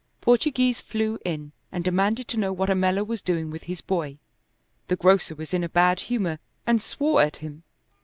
Portoghese flew in and demanded to know what Ammella was doing with his boy. The grocer was in a bad humor, and swore at him.